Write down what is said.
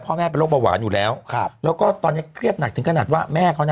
แม่เป็นโรคเบาหวานอยู่แล้วแล้วก็ตอนนี้เครียดหนักถึงขนาดว่าแม่เขาน่ะ